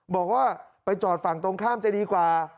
บอกว่าไปจอดฝั่งตรงข้ามจะดีกว่า